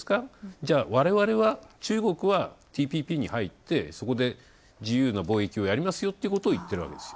じゃあ、われわれは、中国はＴＰＰに入って、そこで自由の貿易をやりますよっていうことを言ってるわけですよ。